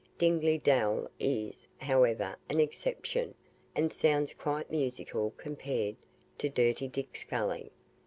Dingley Dell is, however, an exception, and sounds quite musical compared to Dirty Dick's Gully.